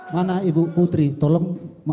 mana ibu putri tolong